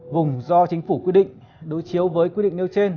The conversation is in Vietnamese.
vùng do chính phủ quy định đối chiếu với quy định nêu trên